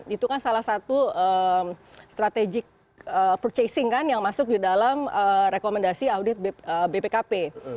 itu kan salah satu strategic purchasing kan yang masuk di dalam rekomendasi audit bpkp